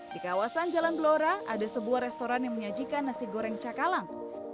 di kawasan jalan blora ada sebuah restoran yang menyajikan nasi goreng cakalang